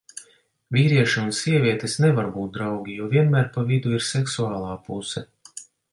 Vīrieši un sievietes nevar būt draugi, jo vienmēr pa vidu ir seksuālā puse.